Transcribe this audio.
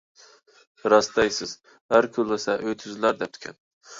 راست دەيسىز. «ئەر كۈنلىسە ئۆي تۈزىلەر» دەپتىكەن.